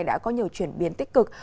đã có nhiều chuyển biến tích cực